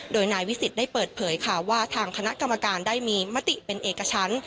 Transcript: โดยนายวิสิตได้เปิดเผยค่ะว่าทางคณะกรรมการได้มีมติเป็นเอกชั้น